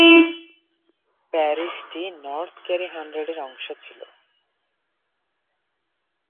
প্যারিশটি North Curry হান্ড্রেডের অংশ ছিল।